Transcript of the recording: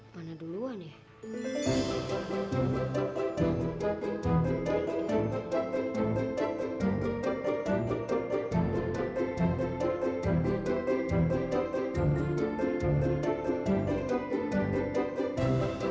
kamu jelas nolong aku